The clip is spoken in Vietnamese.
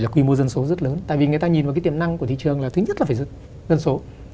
tuy mô dân số rất lớn tại vì người ta nhìn vào tiềm năng của thị trường là thứ nhất là phải dân số